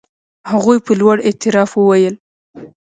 هغوی په لوړ اعتراف وویل.